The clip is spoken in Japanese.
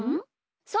そう！